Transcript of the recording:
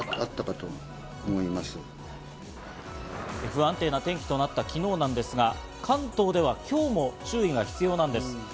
不安定な天気となった昨日なんですが、関東では今日も注意が必要なんです。